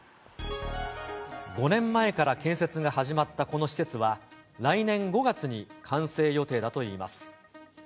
５年前から建設が始まったこの施設は、来年５月に完成予定だといいます。